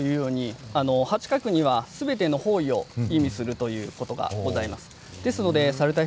四方八方というのに八角にはすべての方位を意味するということがございます。